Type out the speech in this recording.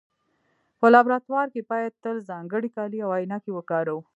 په لابراتوار کې باید تل ځانګړي کالي او عینکې وکاروو.